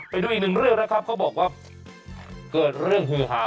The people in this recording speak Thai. ไปดูอีกหนึ่งเรื่องนะครับเขาบอกว่าเกิดเรื่องฮือหา